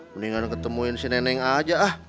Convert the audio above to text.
mendingan ketemuin si nenek aja ah